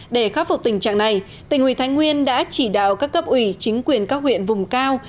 để khắc phục tình trạng này tỉnh ủy thái nguyên đã chỉ đạo các cấp ủy chính quyền các huyện vùng cao